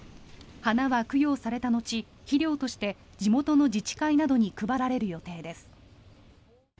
花は供養された後、肥料として地元の自治会などに配られる予定です。